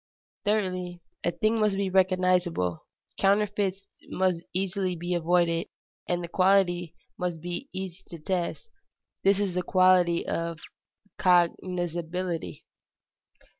Thirdly, a thing must be recognizable; counterfeits must be easily avoided, and the quality must be easy to test: this is the quality of cognizability.